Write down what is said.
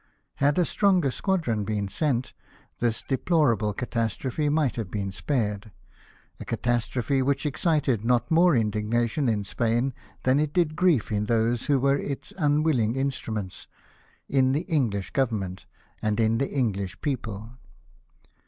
Had a stronger squadron been sent, this deplorable cata strophe might have been spared ; a catastrophe which excited not more indignation in Spain than it did grief in those who were its unwilling instruments, in the English Government, and in the Enghsh people.